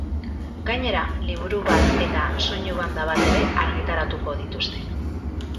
Gainera, liburu bat eta soinu-banda bat ere argitaratuko dituzte.